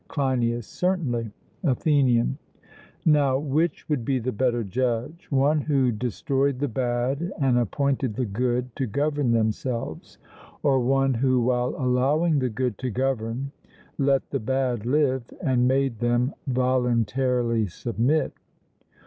CLEINIAS: Certainly. ATHENIAN: Now, which would be the better judge one who destroyed the bad and appointed the good to govern themselves; or one who, while allowing the good to govern, let the bad live, and made them voluntarily submit?